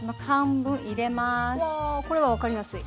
これは分かりやすい。